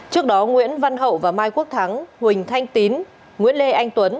trước đó nguyễn văn hậu và mai quốc thắng huỳnh thanh tín nguyễn lê anh tuấn